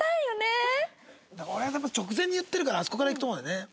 俺はやっぱ直前に言ってるからあそこからいくと思うんだよね。